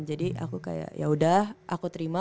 jadi aku kayak yaudah aku terima